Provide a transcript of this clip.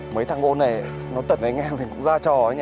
mấy thằng ngộ này nói tật với anh em thì cũng ra trò ấy nhỉ